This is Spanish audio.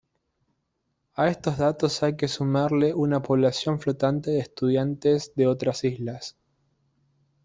A estos datos hay que sumarle una población flotante de estudiantes de otras islas.